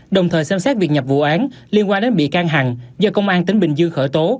đồng thời xem xét việc nhập vụ án liên quan đến bị can hằng do công an tỉnh bình dương khởi tố